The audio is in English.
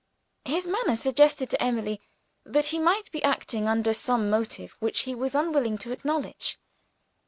His manner suggested to Emily that he might be acting under some motive which he was unwilling to acknowledge.